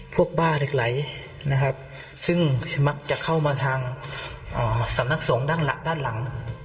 พวกบ้าเด็กไหลนะครับซึ่งมักจะเข้ามาทางอ่าสำนักสงฆ์ด้านหลักด้านหลัง